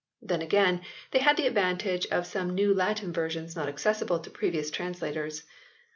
Then again they had the advantage of some new Latin versions not accessible to previous trans lators.